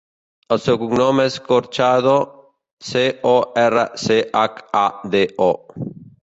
El seu cognom és Corchado: ce, o, erra, ce, hac, a, de, o.